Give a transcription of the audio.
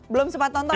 belum sempat nonton ya